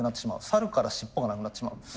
猿から尻尾がなくなってしまうんです。